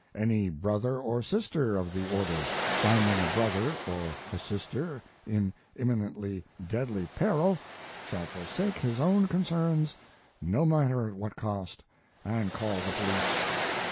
Any brother or sister of the order finding a brother or a sister in imminently deadly peril shall forsake his own concerns, no matter at what cost, and call the police.